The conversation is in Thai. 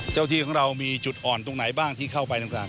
ที่ของเรามีจุดอ่อนตรงไหนบ้างที่เข้าไปต่าง